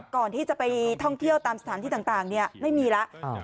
ก่อนที่จะไปท่องเที่ยวตามสถานที่ต่างไม่มีแล้ว